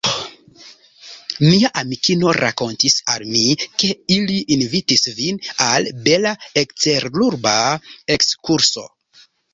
Mia amikino rakontis al mi, ke ili invitis vin al bela eksterurba ekskurso.